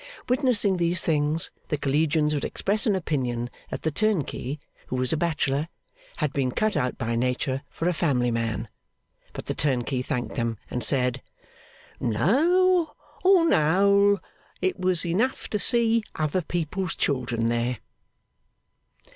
Witnessing these things, the collegians would express an opinion that the turnkey, who was a bachelor, had been cut out by nature for a family man. But the turnkey thanked them, and said, 'No, on the whole it was enough to see other people's children there.